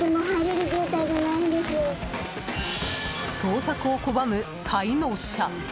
捜索をこばむ滞納者。